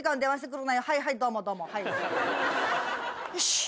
よし！